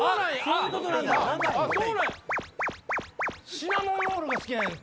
シナモンロール好きなの？